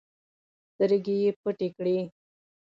سترګې يې پټې کړې.